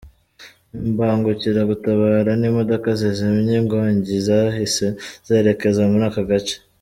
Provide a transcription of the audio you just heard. Imbangukiragutabara n’imodoka zizimya inkongi zahise zerekeza muri aka gace.